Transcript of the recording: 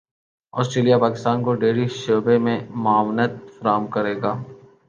Australia Pakistan کو dairy کے شعبے میں معاونت فراہم کرے گا